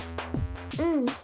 うん。